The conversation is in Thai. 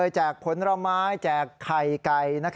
แจกผลไม้แจกไข่ไก่